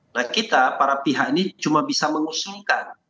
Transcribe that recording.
nah kita para pihak ini cuma bisa mengusulkan